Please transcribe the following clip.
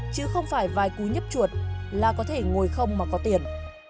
chứ không phải vài cú nhấp chuột là có thể ngồi không mà có tiền